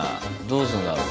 どうすんだろ。